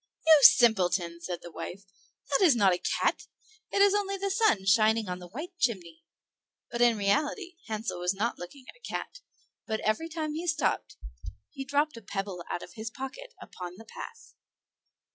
"You simpleton!" said the wife, "that is not a cat; it is only the sun shining on the white chimney." But in reality Hansel was not looking at a cat; but every time he stopped he dropped a pebble out of his pocket upon the path.